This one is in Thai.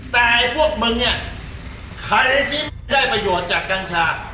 แต่พวกมึงเนี่ยใครที่ได้ประโยชน์จากกัญชา